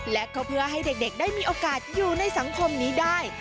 และก็เพื่อให้เด็กได้มีโอกาสอยู่ในสังคมนี้ได้